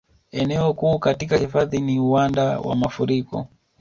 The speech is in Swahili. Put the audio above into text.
Eneo kuu katika hifadhi ni uwanda wa mafuriko